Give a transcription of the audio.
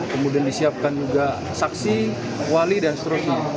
kemudian disiapkan juga saksi wali dan seterusnya